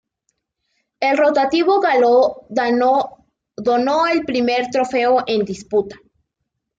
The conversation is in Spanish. El rotativo galo donó el primer trofeo en disputa.